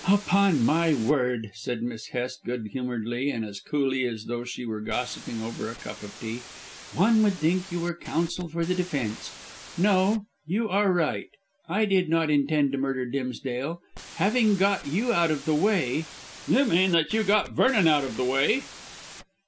"Upon my word," said Miss Hest good humouredly and as coolly as though she were gossiping over a cup of tea, "one would think you were counsel for the defence. No, you are right. I did not intend to murder Dimsdale. Having got you out of the way " "You mean that you got Vernon out of the way?"